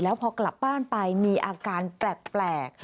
แล้วพอกลับบ้านไปมีอาการแปลก